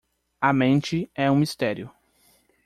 A mente é um mistério.